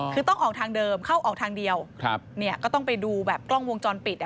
คือต้องออกทางเดิมเข้าออกทางเดียวเนี่ยก็ต้องไปดูแบบกล้องวงจรปิดอ่ะ